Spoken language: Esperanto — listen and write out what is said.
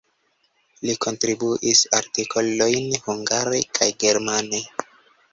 Li kontribuis artikolojn hungare kaj germane.